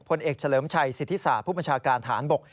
ผลเอกเฉลิมชัยสิทธิศาสตร์ผู้บัญชาการฐานบก